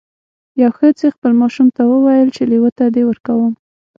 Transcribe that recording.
یوې ښځې خپل ماشوم ته وویل چې لیوه ته دې ورکوم.